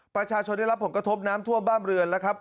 ประชาชนได้รับผลกระทบน้ำท่วมบ้านเรือนแล้วครับ